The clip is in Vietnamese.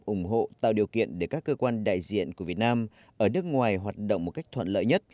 ủng hộ tạo điều kiện để các cơ quan đại diện của việt nam ở nước ngoài hoạt động một cách thuận lợi nhất